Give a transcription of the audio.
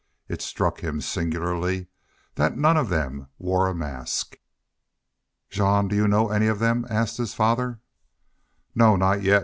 It struck him singularly that not one of them wore a mask. "Jean, do you know any of them?" asked his father "No, not yet.